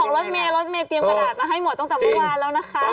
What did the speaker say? รถเมย์รถเมย์เตรียมกระดาษมาให้หมดตั้งแต่เมื่อวานแล้วนะคะ